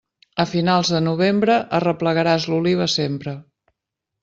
A finals de novembre, arreplegaràs l'oliva sempre.